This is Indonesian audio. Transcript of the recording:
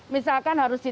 misalkan harus di